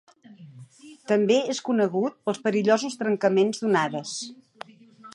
També és conegut pels perillosos trencaments d'onades.